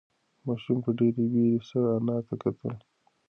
ماشوم په ډېرې وېرې سره انا ته کتل.